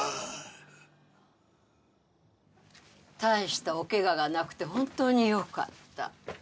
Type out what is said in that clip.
大したお怪我がなくて本当によかった。